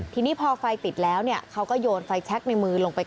ทีนี้พอไฟติดแล้วเขาก็โยนไฟแช๊กในมือลงกับใคร